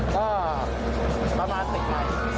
ก็ประมาณ๑๐ไมค์